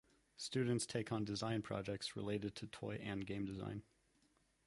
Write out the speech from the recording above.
Students take on design projects related to toy and game design.